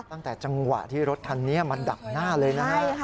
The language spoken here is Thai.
ตั้งแต่จังหวะที่รถคันนี้มาดักหน้าเลยนะฮะ